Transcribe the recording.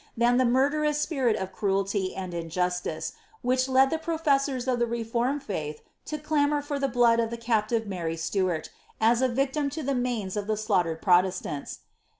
thai murderous spirit of cruelty and injustice which led the professors c reformed faith to clamour for the blood of the captive .Warv Sluvl victim to the manes of the slaughtered Proiestanis.